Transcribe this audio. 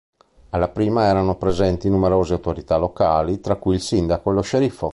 Alla prima erano presenti numerose autorità locali, tra cui il sindaco e lo sceriffo.